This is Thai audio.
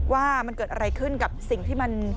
ว่ามันเกิดอะไรขึ้นกับสิ่งที่มัน